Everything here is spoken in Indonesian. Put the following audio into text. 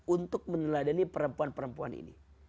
untuk meneladani perempuan perempuan ini